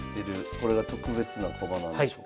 これが特別な駒なんでしょうか。